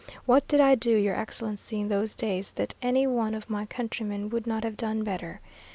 What did I do, your Excellency, in those days, that any one of my countrymen would not have done better?